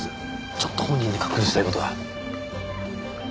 ちょっと本人に確認したい事が。